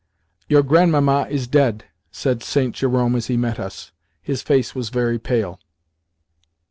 "Your Grandmamma is dead," said St. Jerome as he met us. His face was very pale.